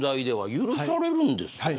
許されるんですか。